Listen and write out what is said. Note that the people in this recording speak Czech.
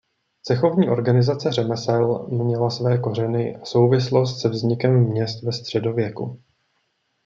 Cechovní organizace řemesel měla své kořeny a souvislost se vznikem měst ve středověku.